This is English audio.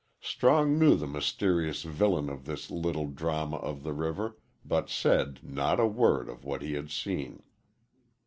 Strong knew the mysterious villain of this little drama of the river, but said not a word of what he had seen.